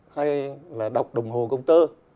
hay là đọc đồng hồ công tơ